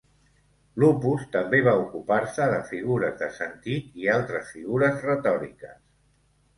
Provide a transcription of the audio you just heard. Lupus també va ocupar-se de figures de sentit i altres figures retòriques.